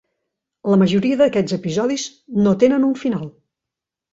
La majoria d'aquests episodis no tenen un final.